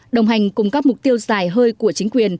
đồng hành cung cấp mục tiêu dài hơi của chính phủ